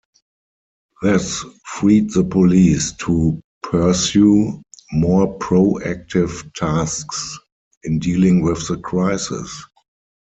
This freed the police to pursue more proactive tasks in dealing with the crisis.